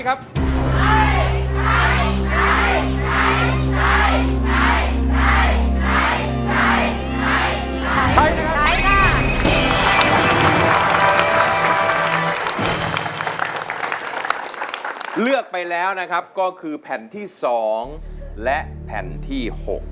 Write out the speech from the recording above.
ใช้ใช้ใช้แล้วนะครับก็คือแผ่นที่๒และแผ่นที่๖